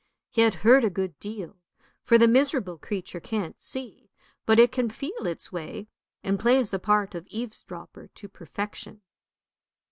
He had heard a good deal, for the miserable creature can't see, but it can feel its way, and plays the part of eaves dropper to perfection.